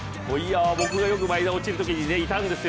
僕がマイナー落ちるときにいたんですよ